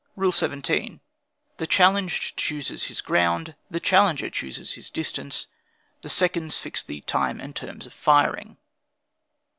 "Rule 17. The challenged chooses his ground; the challenger chooses his distance; the seconds fix the time and terms of firing.